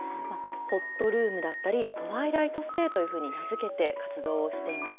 ほっとるーむだったり、トワイライトステイというふうに名付けて活動をしています。